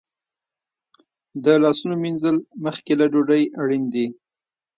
د لاسونو مینځل مخکې له ډوډۍ اړین دي.